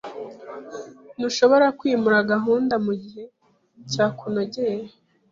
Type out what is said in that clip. Ntushobora kwimura gahunda mugihe cyakunogeye?